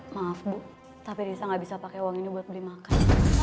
maaf bu tapi risa gak bisa pakai uang ini buat beli makan